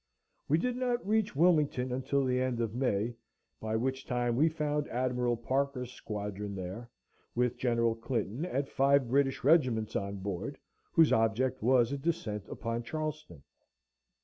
We did not reach Wilmington until the end of May, by which time we found Admiral Parker's squadron there, with General Clinton and five British regiments on board, whose object was a descent upon Charleston.